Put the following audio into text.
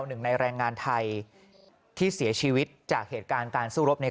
หนึ่งในแรงงานไทยที่เสียชีวิตจากเหตุการณ์การสู้รบใน